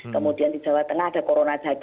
kemudian di jawa tengah ada corona saja